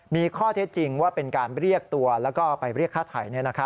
มีข้อเท็จจริงว่าเป็นการเรียกตัวแล้วก็ไปเรียกฆ่าไทย